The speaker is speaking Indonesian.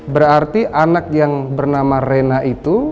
berarti anak yang bernama rena itu